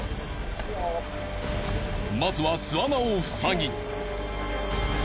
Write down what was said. まずは巣穴を塞ぎ。